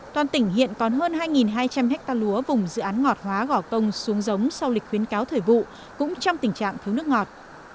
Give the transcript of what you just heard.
toàn tỉnh hiện còn hơn hai hai trăm linh ha lúa vùng dự án ngọt hóa gỏ công xuống giống sau lịch khuyến cáo thời vụ cũng trong tình trạng thiếu nước ngọt